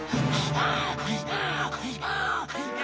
ああ！